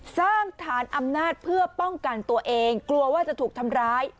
สร้างฐานอำนาจเพื่อป้องกันตัวเองกลัวว่าจะถูกทำร้าย